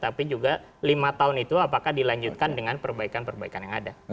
tapi juga lima tahun itu apakah dilanjutkan dengan perbaikan perbaikan yang ada